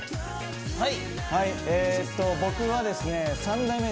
はいはいえーと僕はですね